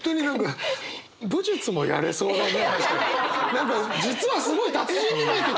何か実はすごい達人に見えてきたよ。